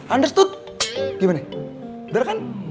understood gimana udah kan